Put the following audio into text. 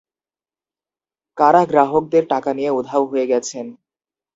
কারা গ্রাহকদের টাকা নিয়ে উধাও হয়ে গেছেন?